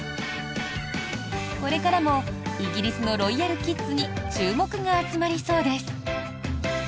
これからもイギリスのロイヤルキッズに注目が集まりそうです。